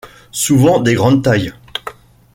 Souvent des grandes tailles.